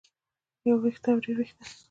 يو وېښتۀ او ډېر وېښتۀ